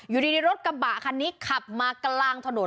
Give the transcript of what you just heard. อยู่ดีรถกระบะคันนี้ขับมากลางถนน